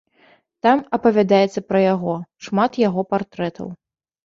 Там апавядаецца пра яго, шмат яго партрэтаў.